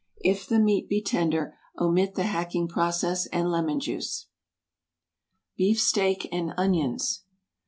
If the meat be tender omit the hacking process and lemon juice. BEEF STEAK AND ONIONS.